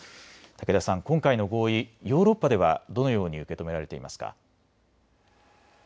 竹田さん、今回の合意、ヨーロッパではどのように受けとめられていますか。